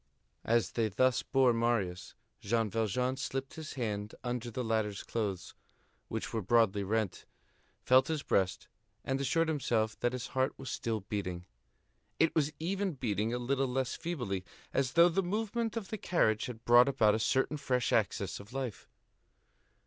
As they thus bore Marius, Jean Valjean slipped his hand under the latter's clothes, which were broadly rent, felt his breast, and assured himself that his heart was still beating. It was even beating a little less feebly, as though the movement of the carriage had brought about a certain fresh access of life.